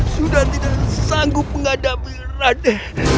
sudah tidak sanggup menghadapi radeh